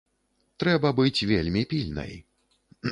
Трэба быць вельмі пільнай.